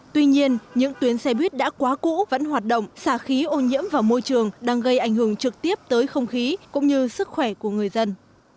tuy nhiên những tuyến xe buýt đã quá cũ vẫn hoạt động xả khí ô nhiễm vào môi trường đang gây ảnh hưởng trực tiếp tới không khí cũng như sức khỏe của người dân